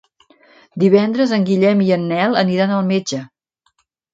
Divendres en Guillem i en Nel aniran al metge.